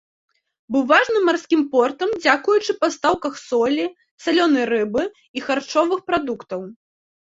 Быў важным марскім портам дзякуючы пастаўках солі, салёнай рыбы і харчовых прадуктаў.